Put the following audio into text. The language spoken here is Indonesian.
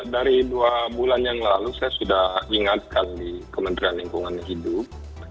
dari dua bulan yang lalu saya sudah ingatkan di kementerian lingkungan hidup